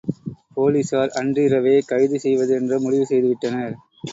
போலீஸார் அன்றிரவே கைது செய்வது என்று முடிவு செய்துவிட்டனர்.